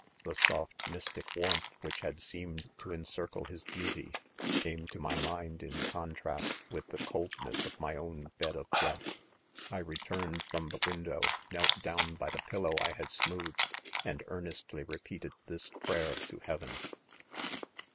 — The soft' mystic warmth which had seemed to l encircle his beauty, came to my mind in contrast • with the coldness of* my own hed of death. I returned from the window^ knelt down by the pillow I had smoothed ,' and ear nestly repeated this prayer to. heaven.